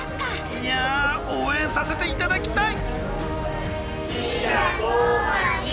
いや応援させていただきたい！